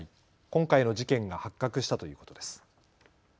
今回の事件が発覚したということです。